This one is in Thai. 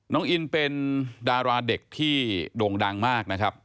น้องอินเป็นดาราเด็กที่โด่งดังมากนะครับ